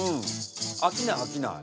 飽きない飽きない。